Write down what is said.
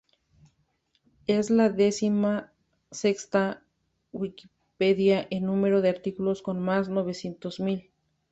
Es la decimosexta Wikipedia en número de artículos, con más de novecientos mil.